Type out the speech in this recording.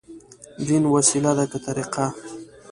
دين وسيله ده، که طريقه؟